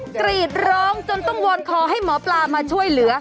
กรีดร้องจนต้องวอนขอให้หมอปลามาช่วยเหลือ